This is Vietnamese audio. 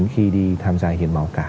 khi đi tham gia hiến máu cả